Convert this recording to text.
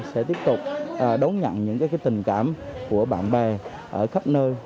sẽ tiếp tục đón nhận những tình cảm của bạn bè ở khắp nơi